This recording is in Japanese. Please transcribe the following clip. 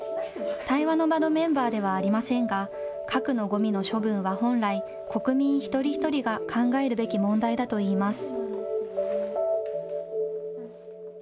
対話の場のメンバーではありませんが、核のごみの処分は本来、国民一人一人が考えるべき問題だといいます。